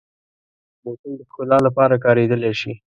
بوتل د ښکلا لپاره کارېدلی شي.